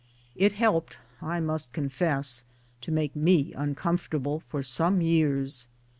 It helped, I must confess, to make me uncomfortable for some years.